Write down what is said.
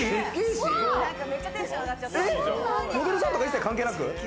モデルさんとか、一切関係なく？